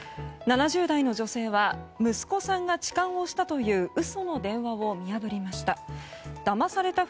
７０代の女性は息子さんが痴漢をしたという嘘の電話を見破りました。